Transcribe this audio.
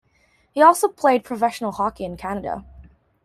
He also played professional hockey in Canada.